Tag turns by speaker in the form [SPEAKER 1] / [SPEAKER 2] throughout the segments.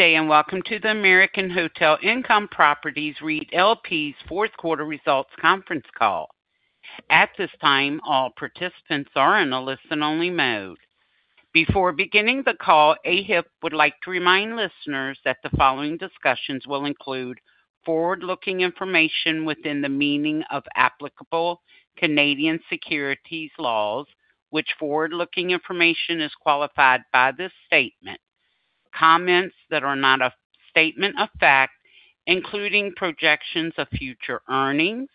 [SPEAKER 1] Good day, and welcome to the American Hotel Income Properties REIT LP's fourth quarter results conference call. At this time, all participants are in a listen-only mode. Before beginning the call, AHIP would like to remind listeners that the following discussions will include forward-looking information within the meaning of applicable Canadian securities laws, which forward-looking information is qualified by this statement. Comments that are not a statement of fact, including projections of future earnings,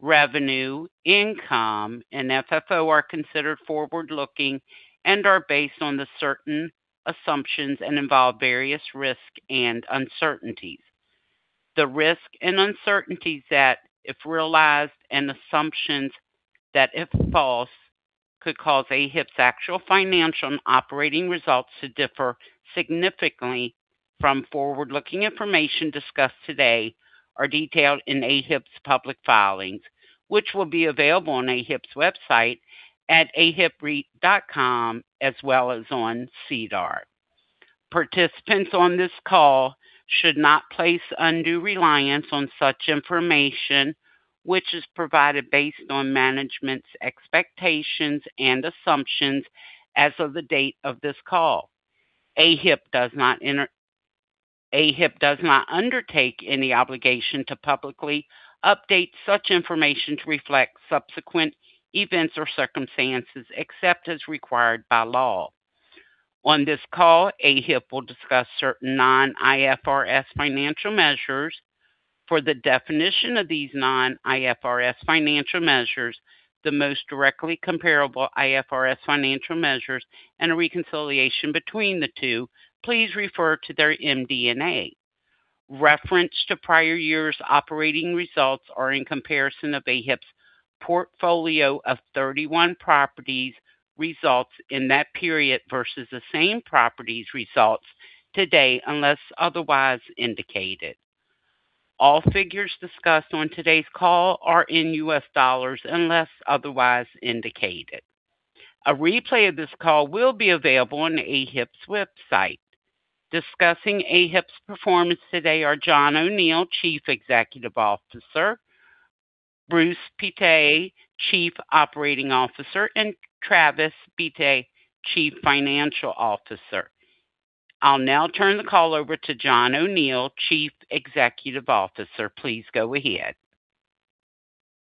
[SPEAKER 1] revenue, income, and FFO are considered forward-looking and are based on certain assumptions and involve various risks and uncertainties. The risks and uncertainties that, if realized and assumptions that, if false, could cause AHIP's actual financial and operating results to differ significantly from forward-looking information discussed today are detailed in AHIP's public filings, which will be available on AHIP's website at ahipreit.com as well as on SEDAR. Participants on this call should not place undue reliance on such information, which is provided based on management's expectations and assumptions as of the date of this call. AHIP does not undertake any obligation to publicly update such information to reflect subsequent events or circumstances except as required by law. On this call, AHIP will discuss certain non-IFRS financial measures. For the definition of these non-IFRS financial measures, the most directly comparable IFRS financial measures, and a reconciliation between the two, please refer to their MD&A. Reference to prior years' operating results are in comparison of AHIP's portfolio of 31 properties results in that period versus the same properties results today, unless otherwise indicated. All figures discussed on today's call are in U.S. dollars, unless otherwise indicated. A replay of this call will be available on AHIP's website. Discussing AHIP's performance today are John O'Neill, Chief Executive Officer, Bruce Pittet, Chief Operating Officer, and Travis Beatty, Chief Financial Officer. I'll now turn the call over to John O'Neill, Chief Executive Officer. Please go ahead.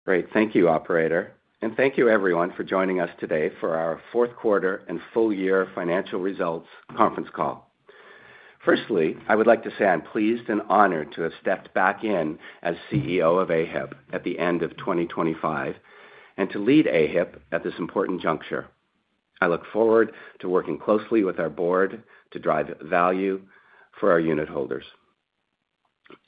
[SPEAKER 2] Great. Thank you, operator, and thank you everyone for joining us today for our fourth quarter and full-year financial results conference call. Firstly, I would like to say I'm pleased and honored to have stepped back in as CEO of AHIP at the end of 2025 and to lead AHIP at this important juncture. I look forward to working closely with our board to drive value for our unitholders.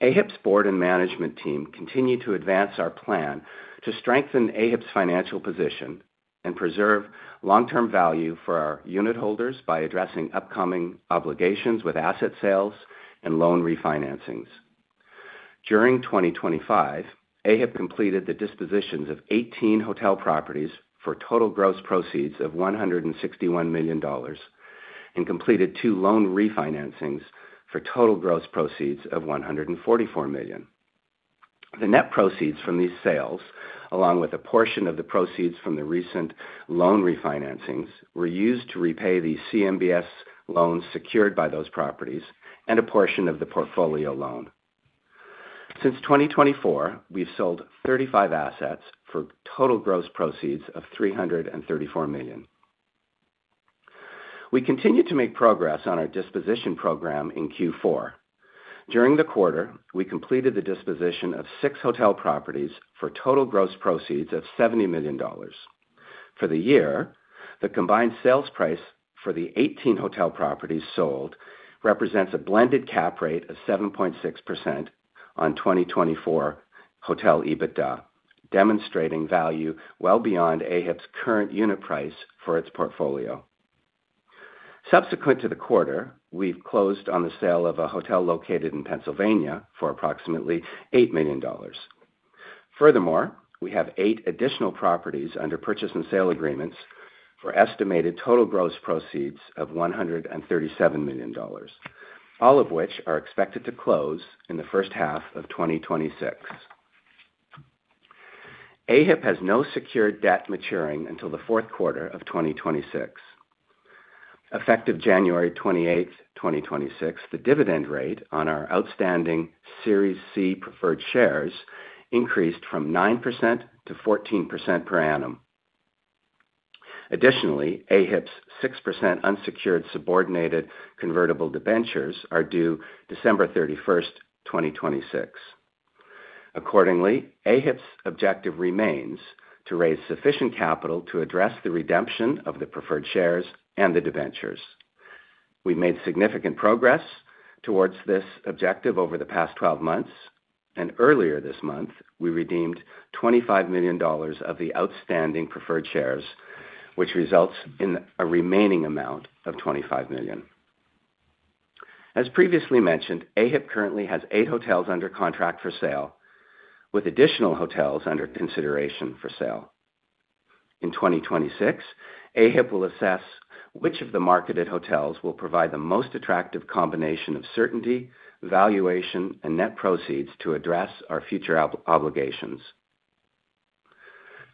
[SPEAKER 2] AHIP's board and management team continue to advance our plan to strengthen AHIP's financial position and preserve long-term value for our unitholders by addressing upcoming obligations with asset sales and loan refinancings. During 2025, AHIP completed the dispositions of 18 hotel properties for total gross proceeds of $161 million and completed two loan refinancings for total gross proceeds of $144 million. The net proceeds from these sales, along with a portion of the proceeds from the recent loan refinancings, were used to repay the CMBS loans secured by those properties and a portion of the portfolio loan. Since 2024, we've sold 35 assets for total gross proceeds of $334 million. We continued to make progress on our disposition program in Q4. During the quarter, we completed the disposition of six hotel properties for total gross proceeds of $70 million. For the year, the combined sales price for the 18 hotel properties sold represents a blended cap rate of 7.6% on 2024 hotel EBITDA, demonstrating value well beyond AHIP's current unit price for its portfolio. Subsequent to the quarter, we've closed on the sale of a hotel located in Pennsylvania for approximately $8 million. Furthermore, we have eight additional properties under purchase and sale agreements for estimated total gross proceeds of $137 million, all of which are expected to close in the first half of 2026. AHIP has no secured debt maturing until the fourth quarter of 2026. Effective January 28th, 2026, the dividend rate on our outstanding Series C preferred shares increased from 9%-14% per annum. Additionally, AHIP's 6% unsecured subordinated convertible debentures are due December 31st, 2026. Accordingly, AHIP's objective remains to raise sufficient capital to address the redemption of the preferred shares and the debentures. We've made significant progress towards this objective over the past 12 months, and earlier this month, we redeemed $25 million of the outstanding preferred shares, which results in a remaining amount of $25 million. As previously mentioned, AHIP currently has eight hotels under contract for sale, with additional hotels under consideration for sale. In 2026, AHIP will assess which of the marketed hotels will provide the most attractive combination of certainty, valuation, and net proceeds to address our future obligations.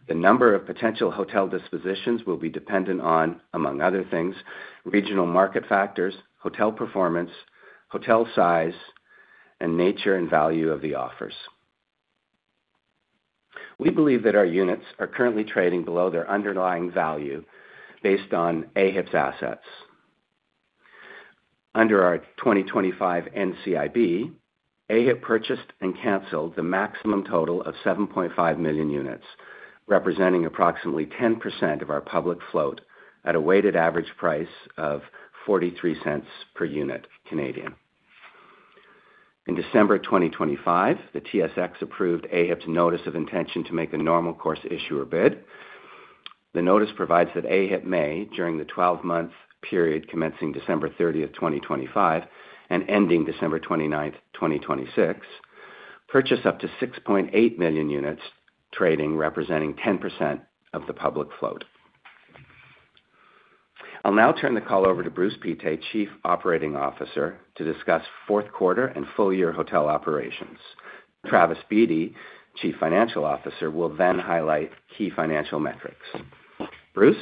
[SPEAKER 2] The number of potential hotel dispositions will be dependent on, among other things, regional market factors, hotel performance, hotel size, and nature and value of the offers. We believe that our units are currently trading below their underlying value based on AHIP's assets. Under our 2025 NCIB, AHIP purchased and canceled the maximum total of 7.5 million units, representing approximately 10% of our public float at a weighted average price of 0.43 per unit Canadian. In December 2025, the TSX approved AHIP's notice of intention to make a normal course issuer bid. The notice provides that AHIP may, during the 12 month period commencing December 30th, 2025, and ending December 29th, 2026, purchase up to 6.8 million units trading, representing 10% of the public float. I'll now turn the call over to Bruce Pittet, Chief Operating Officer, to discuss fourth quarter and full year hotel operations. Travis Beatty, Chief Financial Officer, will then highlight key financial metrics. Bruce?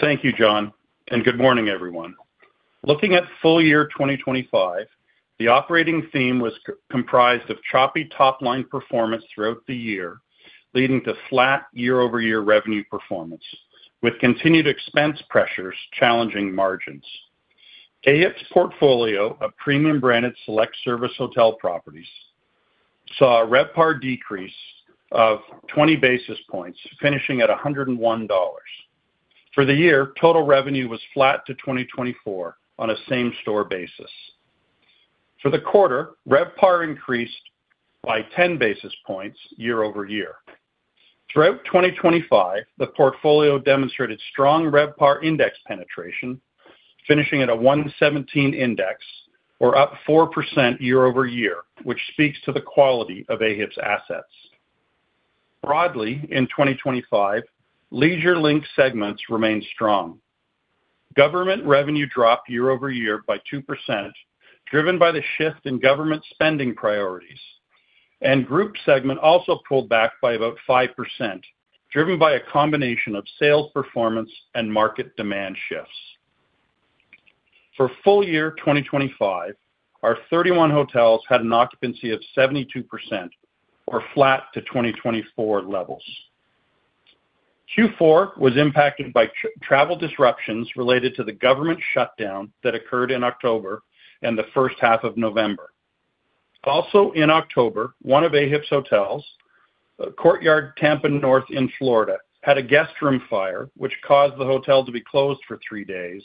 [SPEAKER 3] Thank you, John, and good morning, everyone. Looking at full year 2025, the operating theme was comprised of choppy top-line performance throughout the year, leading to flat year-over-year revenue performance, with continued expense pressures challenging margins. AHIP's portfolio of premium branded select service hotel properties saw a RevPAR decrease of 20 basis points, finishing at $101. For the year, total revenue was flat to 2024 on a same-store basis. For the quarter, RevPAR increased by 10 basis points year-over-year. Throughout 2025, the portfolio demonstrated strong RevPAR index penetration, finishing at a 117 index or up 4% year-over-year, which speaks to the quality of AHIP's assets. Broadly, in 2025, leisure-linked segments remained strong. Government revenue dropped year-over-year by 2%, driven by the shift in government spending priorities. Group segment also pulled back by about 5%, driven by a combination of sales performance and market demand shifts. For full year 2025, our 31 hotels had an occupancy of 72% or flat to 2024 levels. Q4 was impacted by travel disruptions related to the government shutdown that occurred in October and the first half of November. Also in October, one of AHIP's hotels, Courtyard Tampa North in Florida, had a guest room fire which caused the hotel to be closed for three days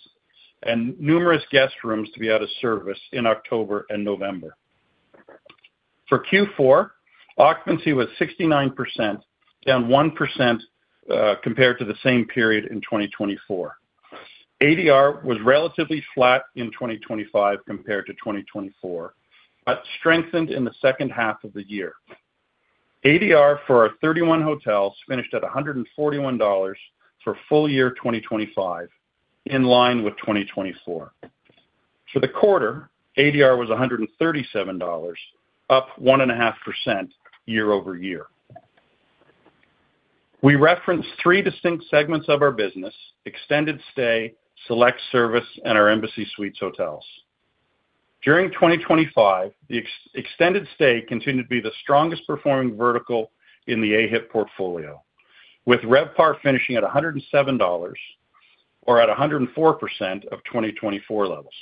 [SPEAKER 3] and numerous guest rooms to be out of service in October and November. For Q4, occupancy was 69%, down 1% compared to the same period in 2024. ADR was relatively flat in 2025 compared to 2024, but strengthened in the second half of the year. ADR for our 31 hotels finished at $141 for full year 2025, in line with 2024. For the quarter, ADR was $137, up 1.5% year-over-year. We reference three distinct segments of our business: extended stay, select service, and our Embassy Suites hotels. During 2025, excluding extended stay continued to be the strongest performing vertical in the AHIP portfolio, with RevPAR finishing at $107 or at 104% of 2024 levels.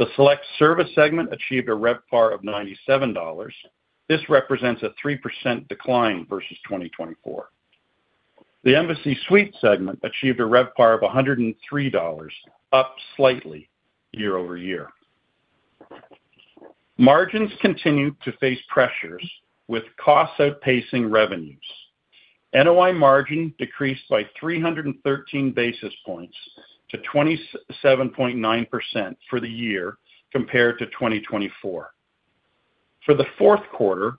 [SPEAKER 3] The select service segment achieved a RevPAR of $97. This represents a 3% decline versus 2024. The Embassy Suites segment achieved a RevPAR of $103, up slightly year-over-year. Margins continued to face pressures with costs outpacing revenues. NOI margin decreased by 313 basis points to 27.9% for the year compared to 2024. For the fourth quarter,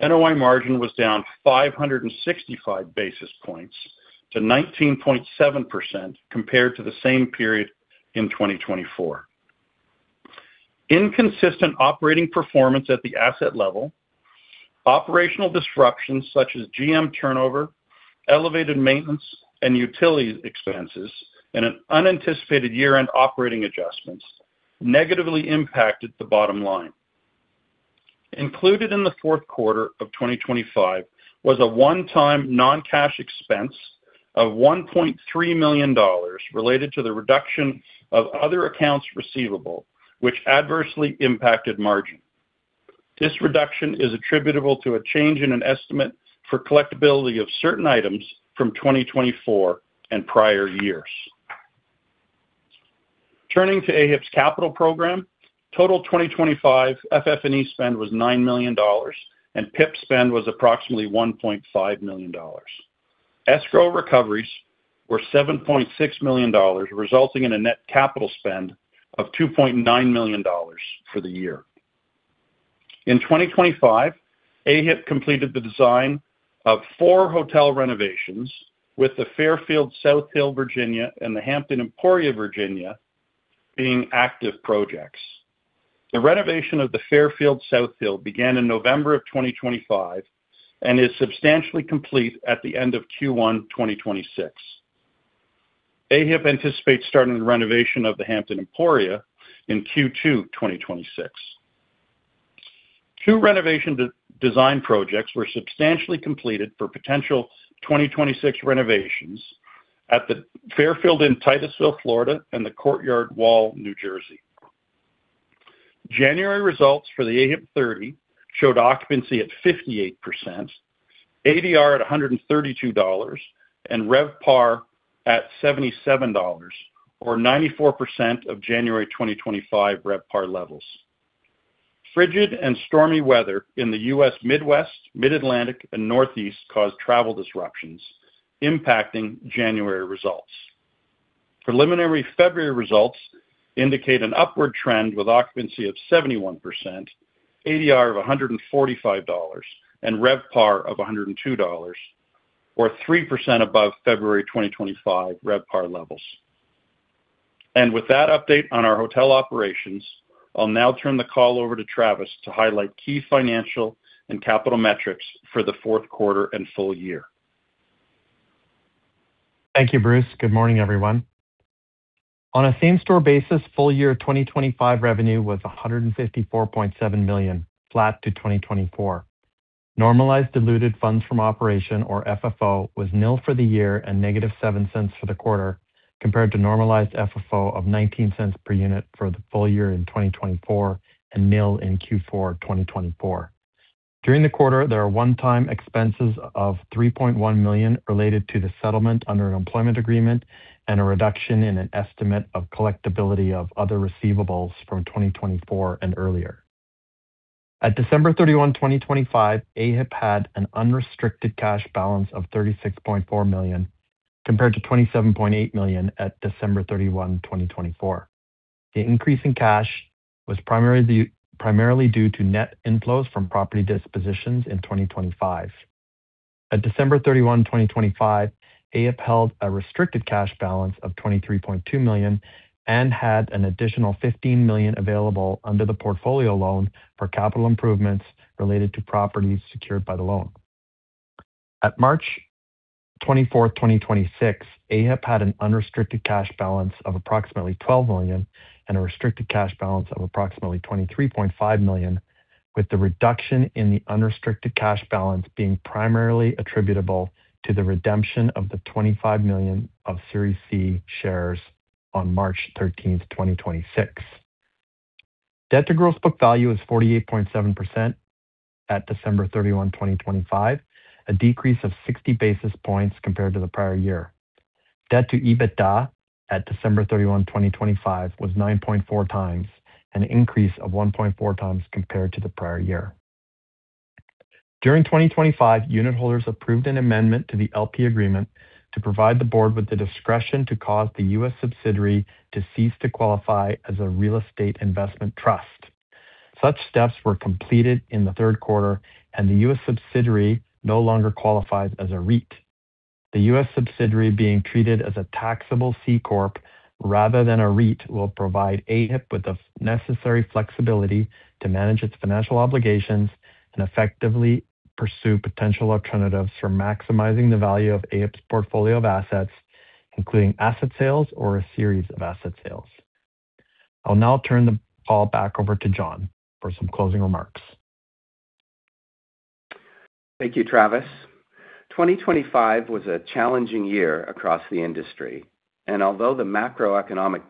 [SPEAKER 3] NOI margin was down 565 basis points to 19.7% compared to the same period in 2024. Inconsistent operating performance at the asset level, operational disruptions such as GM turnover, elevated maintenance and utility expenses, and an unanticipated year-end operating adjustments negatively impacted the bottom line. Included in the fourth quarter of 2025 was a one-time non-cash expense of $1.3 million related to the reduction of other accounts receivable which adversely impacted margin. This reduction is attributable to a change in an estimate for collectibility of certain items from 2024 and prior years. Turning to AHIP's capital program, total 2025 FF&E spend was $9 million, and PIP spend was approximately $1.5 million. Escrow recoveries were $7.6 million, resulting in a net capital spend of $2.9 million for the year. In 2025, AHIP completed the design of four hotel renovations with the Fairfield South Hill, Virginia, and the Hampton Emporia, Virginia, being active projects. The renovation of the Fairfield South Hill began in November 2025 and is substantially complete at the end of Q1 2026. AHIP anticipates starting the renovation of the Hampton Emporia in Q2 2026. Two renovation de-design projects were substantially completed for potential 2026 renovations at the Fairfield Inn Titusville, Florida, and the Courtyard Wall, New Jersey. January results for the AHIP 30 showed occupancy at 58%, ADR at $132, and RevPAR at $77 or 94% of January 2025 RevPAR levels. Frigid and stormy weather in the U.S. Midwest, Mid-Atlantic and Northeast caused travel disruptions, impacting January results. Preliminary February results indicate an upward trend with occupancy of 71%, ADR of $145, and RevPAR of $102, or 3% above February 2025 RevPAR levels. With that update on our hotel operations, I'll now turn the call over to Travis to highlight key financial and capital metrics for the fourth quarter and full year.
[SPEAKER 4] Thank you, Bruce. Good morning, everyone. On a same-store basis, full year 2025 revenue was $154.7 million, flat to 2024. Normalized diluted funds from operation or FFO was nil for the year and $-0.07 cents for the quarter, compared to normalized FFO of $0.19 cents per unit for the full year in 2024 and nil in Q4 2024. During the quarter, there are one-time expenses of $3.1 million related to the settlement under an employment agreement and a reduction in an estimate of collectibility of other receivables from 2024 and earlier. At December 31, 2025, AHIP had an unrestricted cash balance of $36.4 million, compared to $27.8 million at December 31, 2024. The increase in cash was primarily due to net inflows from property dispositions in 2025. At December 31, 2025, AHIP held a restricted cash balance of $23.2 million and had an additional $15 million available under the portfolio loan for capital improvements related to properties secured by the loan. At March 24, 2026, AHIP had an unrestricted cash balance of approximately $12 million and restricted cash balance of approximately $23.5 million, with the reduction in the unrestricted cash balance being primarily attributable to the redemption of $25 million of Series C shares on March 13, 2026. Debt to gross book value is 48.7% at December 31, 2025, a decrease of 60 basis points compared to the prior year. Debt to EBITDA at December 31, 2025 was 9.4 times, an increase of 1.4 times compared to the prior year. During 2025, unitholders approved an amendment to the LP agreement to provide the board with the discretion to cause the U.S. subsidiary to cease to qualify as a real estate investment trust. Such steps were completed in the third quarter, and the U.S. subsidiary no longer qualifies as a REIT. The U.S. subsidiary being treated as a taxable C corp rather than a REIT will provide AHIP with the necessary flexibility to manage its financial obligations and effectively pursue potential alternatives for maximizing the value of AHIP's portfolio of assets, including asset sales or a series of asset sales. I'll now turn the call back over to John for some closing remarks.
[SPEAKER 2] Thank you, Travis. 2025 was a challenging year across the industry. Although the macroeconomic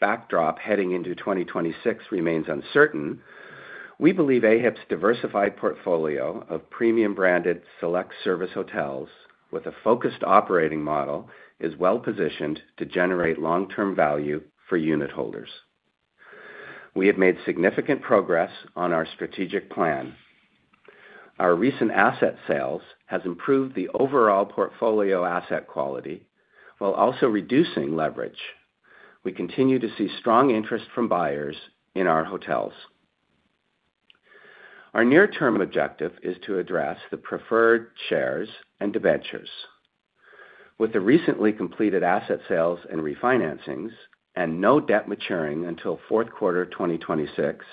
[SPEAKER 2] backdrop heading into 2026 remains uncertain, we believe AHIP's diversified portfolio of premium branded select service hotels with a focused operating model is well-positioned to generate long-term value for unitholders. We have made significant progress on our strategic plan. Our recent asset sales has improved the overall portfolio asset quality while also reducing leverage. We continue to see strong interest from buyers in our hotels. Our near-term objective is to address the preferred shares and debentures. With the recently completed asset sales and refinancings and no debt maturing until fourth quarter 2026,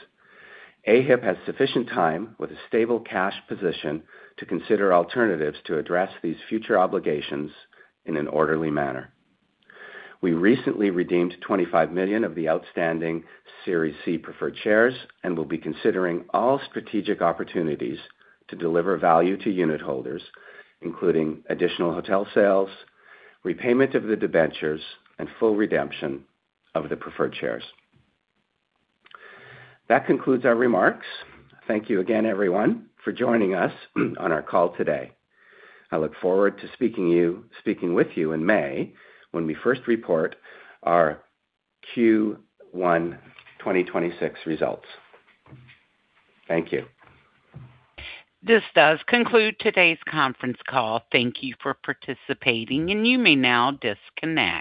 [SPEAKER 2] AHIP has sufficient time with a stable cash position to consider alternatives to address these future obligations in an orderly manner. We recently redeemed 25 million of the outstanding Series C preferred shares and will be considering all strategic opportunities to deliver value to unitholders, including additional hotel sales, repayment of the debentures, and full redemption of the preferred shares. That concludes our remarks. Thank you again, everyone, for joining us on our call today. I look forward to speaking with you in May when we first report our Q1 2026 results. Thank you.
[SPEAKER 1] This does conclude today's conference call. Thank you for participating, and you may now disconnect.